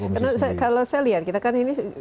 karena kalau saya lihat ini bukan suatu lembutan